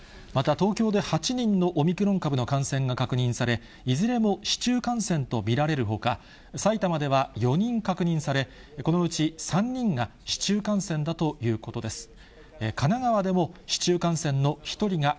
また東京で８人のオミクロン株の感染が確認され、いずれも市中感染と見られるほか、埼玉では４人確認され、このうち３人が、市中感染だということです。